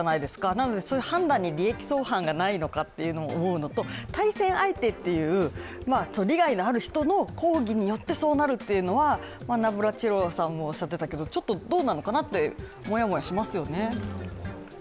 なので、そういう判断に利益相反がないのかと思うのと対戦相手という利害のある人の抗議によってそうなるっていうのはナブラチロワさんもおっしゃってたけどちょっとどうなのかなって、モヤモヤしますね。